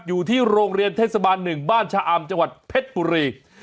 อยู่ที่โรงเรียนเทศบาล๑บ้านชะอำจังหวัดเพชรบุรี